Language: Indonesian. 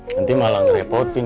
nanti malah ngerepotin